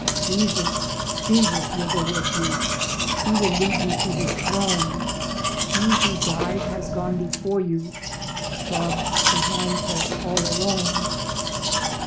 Jesus, Jesus will go wid you ; He will lead you to his throne ; He who died has gone before you, Trod de wine press all alone.